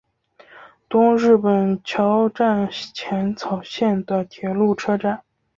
东日本桥站浅草线的铁路车站。